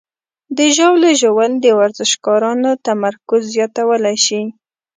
د ژاولې ژوول د ورزشکارانو تمرکز زیاتولی شي.